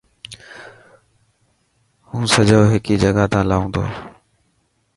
هون سجو هيڪي جڳهه تا لان تو.